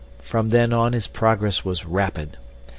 From then on his progress was rapid.